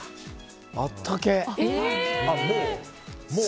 あったけえ。